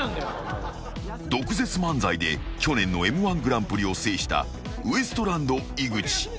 ［毒舌漫才で去年のＭ−１グランプリを制したウエストランド井口］